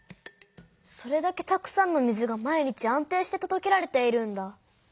それだけたくさんの水が毎日安定してとどけられているんだ。